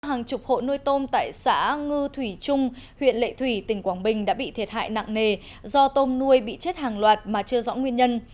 hàng chục hộ nuôi tôm tại xã ngư thủy trung huyện lệ thủy tỉnh quảng bình đã bị thiệt hại nặng nề do tôm nuôi bị chết hàng loạt mà chưa rõ nguyên nhân